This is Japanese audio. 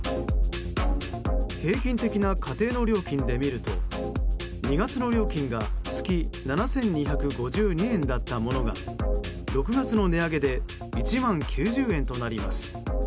平均的な家庭の料金で見ると２月の料金が月７２５２円だったものが６月の値上げで１万９０円となります。